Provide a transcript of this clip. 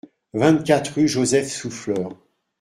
vingt-quatre rue Joseph Souffleur